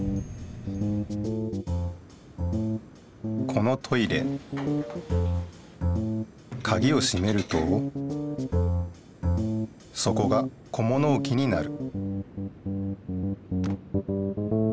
このトイレカギをしめるとそこが小物置きになる